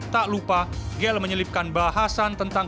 tak lupa gel menyelipkan bahasan tentang